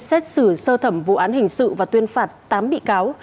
xét xử sơ thẩm vụ án hình sự và tuyên phạt tám bị cáo